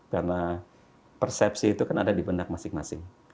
karena persepsi itu kan ada di pendak masing masing